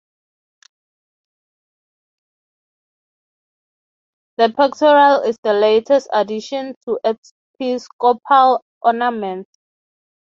The pectoral is the latest addition to episcopal ornaments.